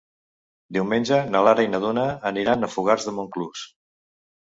Diumenge na Lara i na Duna aniran a Fogars de Montclús.